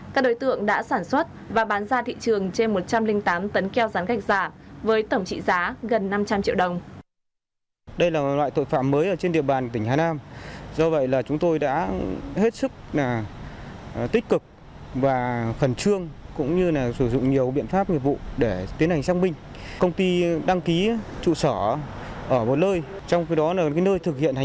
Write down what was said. các đối tượng đã sản xuất và bán ra thị trường trên một trăm linh tám tấn keo rán gạch giả